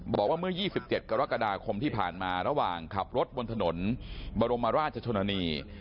บอกว่าเมื่อ๒๗กรกฎาคมที่ผ่านมาระหว่างขับรถบนถนนบรมราชชนนี